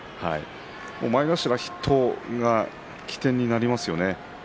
前頭筆頭が起点になりますよね。